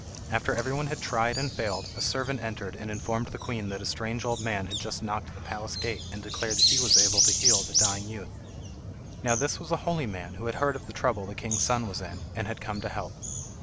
After everyone had tried and failed a servant entered and informed the queen that a strange old man had just knocked at the palace gate and declared that he was able to heal the dying youth. Now this was a holy man, who had heard of the trouble the king's son was in, and had come to help.